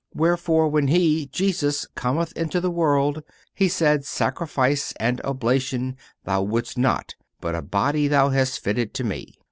Wherefore, when He (Jesus) cometh into the world, He saith: Sacrifice and oblation Thou wouldst not, but a body Thou hast fitted to me.